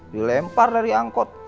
dilempar dari angkot